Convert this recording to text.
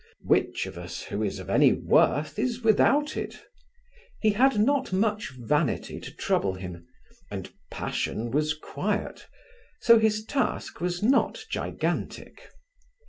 Which of us who is of any worth is without it? He had not much vanity to trouble him, and passion was quiet, so his task was not gigantic.